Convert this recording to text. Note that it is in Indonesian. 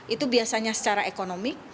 itu biasanya secara ekonomi